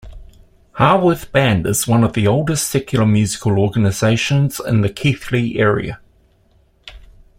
Haworth Band is one of the oldest secular musical organisations in the Keighley area.